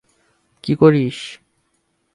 কী করিস?